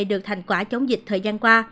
được thành quả chống dịch thời gian qua